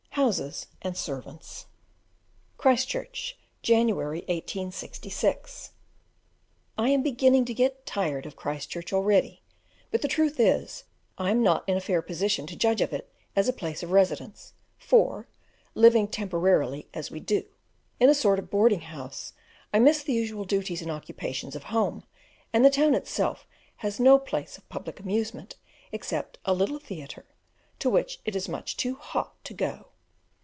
houses and servants. Christchurch, January 1866. I am beginning to get tired of Christchurch already: but the truth is, I am not in a fair position to judge of it as a place of residence; for, living temporarily, as we do, in a sort of boarding house, I miss the usual duties and occupations of home, and the town itself has no place of public amusement except a little theatre, to which it is much too hot to go.